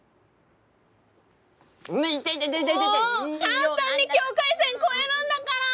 簡単に境界線越えるんだから！